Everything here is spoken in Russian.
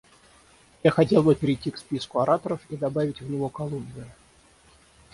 Я хотел бы перейти к списку ораторов и добавить в него Колумбию.